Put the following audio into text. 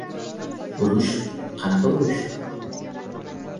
— Urush? Qanaqa urush?